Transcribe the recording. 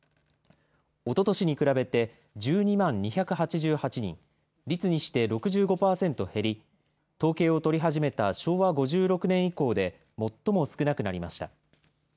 おととしに比べて１２万２８８人、率にして６５％減り、統計を取り始めた昭和５６年以降で最も少なくなりました。